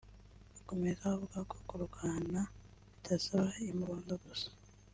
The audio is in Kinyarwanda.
Akomeza avuga ko kurwana bidasaba imbunda gusa